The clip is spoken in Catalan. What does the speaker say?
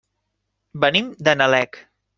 Venim de Nalec.